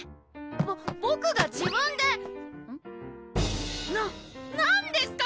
ボボクが自分でなっ何ですか？